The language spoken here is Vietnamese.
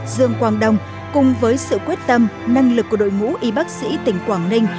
dương quang đông cùng với sự quyết tâm năng lực của đội ngũ y bác sĩ tỉnh quảng ninh